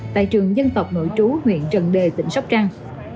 tại trường dân tộc nội trú huyện trần đề tỉnh sóc trăng